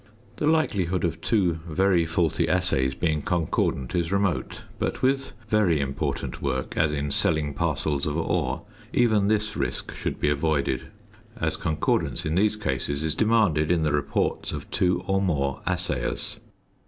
The likelihood of two very faulty assays being concordant is remote; but with very important work, as in selling parcels of ore, even this risk should be avoided, as concordance in these cases is demanded in the reports of two or more assayers.